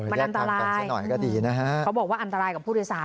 มันอันตรายเขาบอกว่าอันตรายกับผู้โดยศาสตร์